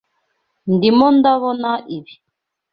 Ndimo ndabona ibi.